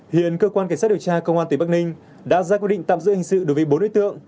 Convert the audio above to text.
hiện cơ quan cảnh sát điều tra công an tỉnh bắc ninh đã ra quyết định tạm giữ hình sự đối với bốn đối tượng